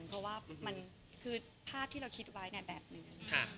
เพราะว่ามันคือภาพที่เราคิดไว้แบบนึง